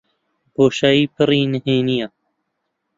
بۆشایی پڕی نهێنییە.